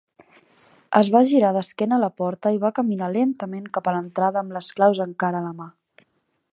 Es va girar d'esquena a la porta i va caminar lentament cap a l'entrada amb les claus encara a la mà.